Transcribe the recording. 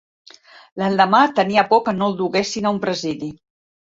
L'endemà tenia por que no'l duguessin a un presidi.